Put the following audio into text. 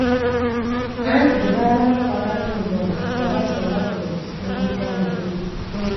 Anti bwe baabanga bakatontoma nga basonga ku buli kitundu kya mubiri.